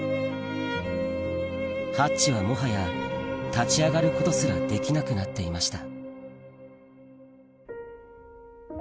ハッチはもはや立ち上がることすらできなくなっていました